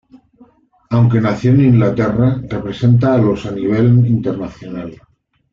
Aunque nació en Inglaterra, representa a los a nivel internacional.